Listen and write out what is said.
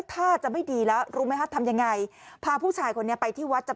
ท่าจะไม่ดีแล้วรู้ไหมฮะทำยังไงพาผู้ชายคนนี้ไปที่วัดจะ